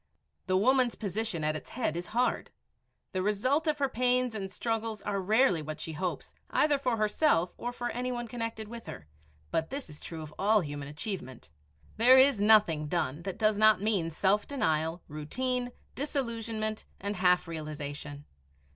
The woman's position at its head is hard. The result of her pains and struggles are rarely what she hopes, either for herself or for any one connected with her, but this is true of all human achievement. There is nothing done that does not mean self denial, routine, disillusionment, and half realization.